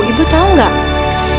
ibu tau gak